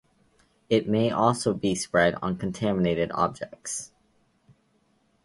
It may also be spread by contaminated objects.